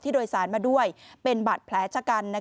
โดยสารมาด้วยเป็นบาดแผลชะกัน